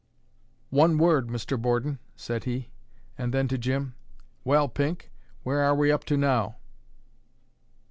"One word, Mr. Borden," said he; and then to Jim, "Well, Pink, where are we up to now?"